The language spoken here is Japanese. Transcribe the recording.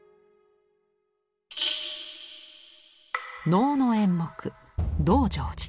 能の演目「道成寺」。